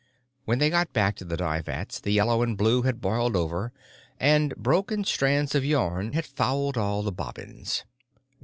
When they got back to the dye vats, the yellow and blue had boiled over, and broken strands of yarn had fouled all the bobbins.